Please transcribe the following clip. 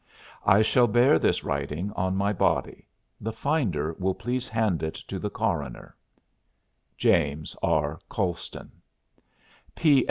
"I shall bear this writing on my body; the finder will please hand it to the coroner. "JAMES R. COLSTON.